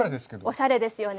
おしゃれですよね。